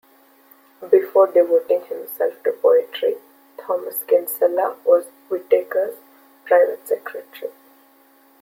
Before devoting himself to poetry, Thomas Kinsella was Whitaker's private secretary.